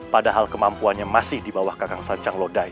padahal kemampuannya masih di bawah kagang sancang lodaya